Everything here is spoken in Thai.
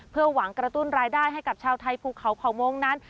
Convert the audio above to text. เพื่อหวังกระตุ้นรายได้ให้กับชาวไทยภูเขาเผามงคนั้น